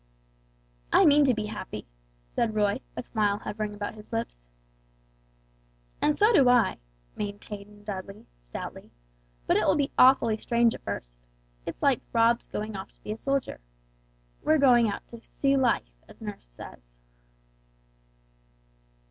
"I mean to be happy," said Roy, a smile hovering about his lips. "And so do I," maintained Dudley, stoutly; "but it will be awfully strange at first. It's like Rob going off to be a soldier. We're going out 'to see life' nurse says."